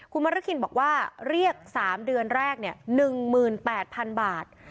คุณมรคินบอกว่าเรียก๓เดือนแรก๑๘๐๐๐บาท